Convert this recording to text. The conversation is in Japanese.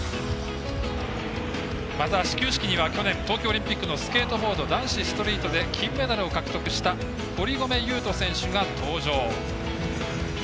また、始球式には去年東京オリンピックのスケートボード男子ストリートで金メダルを獲得した堀米雄斗選手が登場。